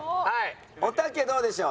おたけどうでしょう？